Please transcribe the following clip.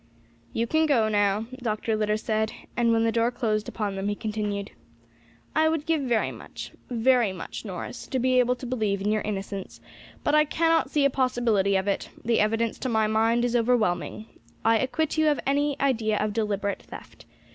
"You can go now," Dr. Litter said, and when the door closed upon them he continued: "I would give much, very much, Norris, to be able to believe in your innocence; but I cannot see a possibility of it; the evidence to my mind is overwhelming. I acquit you of any idea of deliberate theft.